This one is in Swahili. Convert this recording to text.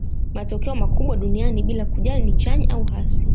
matokeo makubwa duniani bila kujali ni chanya au hasi